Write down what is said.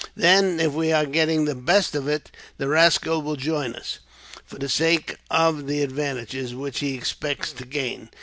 Then, if we are getting the best of it, the rascal will join us, for the sake of the advantages which he expects to gain.